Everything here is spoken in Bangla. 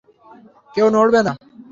কেউ নড়বে না!